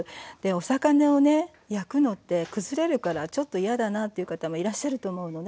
お魚をね焼くのってくずれるからちょっと嫌だなっていう方もいらっしゃると思うのね。